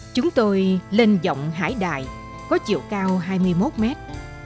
chúng tôi lên giọng hải đại có chiều cao hai mươi một mét